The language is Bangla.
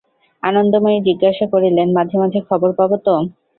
আনন্দময়ী জিজ্ঞাসা করিলেন, মাঝে মাঝে খবর পাব তো?